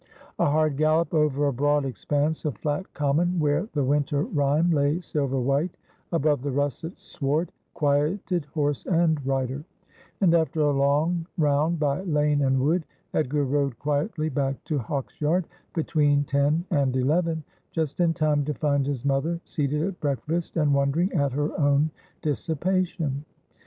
A hard gallop over a broad expanse of flat common, where the winter rime lay silver white above the russet sward, quieted horse and rider ; and, after a long round by lane and wood, Edgar rode quietly back to Hawksyard between ten and eleven, just in time to find his mother seated at breakfast, and wonder ing at her own dissipation.